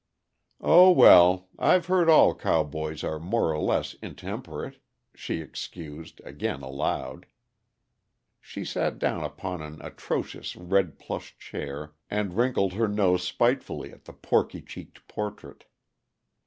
"Oh, well I've heard all cowboys are more or less intemperate," she excused, again aloud. She sat down upon an atrocious red plush chair, and wrinkled her nose spitefully at the porky cheeked portrait.